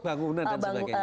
bangunan dan sebagainya